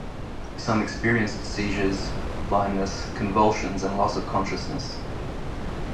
Some experienced seizures, blindness, convulsions and loss of consciousness.